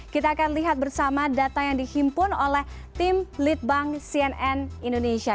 kita akan lihat bersama data yang dihimpun oleh tim litbang cnn indonesia